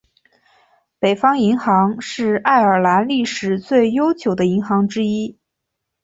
北方银行是爱尔兰历史最悠久的银行之一。